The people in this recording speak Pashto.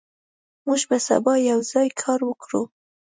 موږ به سبا یوځای کار وکړو.